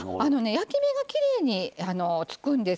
焼き目がきれいにつくんです。